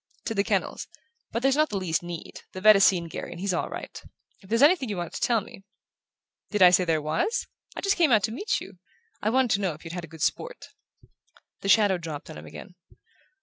"To the kennels. But there's not the least need. The vet has seen Garry and he's all right. If there's anything you wanted to tell me " "Did I say there was? I just came out to meet you I wanted to know if you'd had good sport." The shadow dropped on him again.